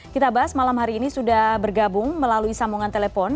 kita bahas malam hari ini sudah bergabung melalui sambungan telepon